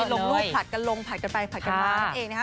ลงรูปผลัดกันลงผัดกันไปผลัดกันมานั่นเองนะคะ